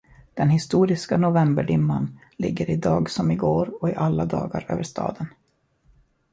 Den historiska novemberdimman ligger i dag som i går och alla dagar över staden.